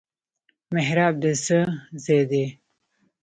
محراب د څه ځای دی؟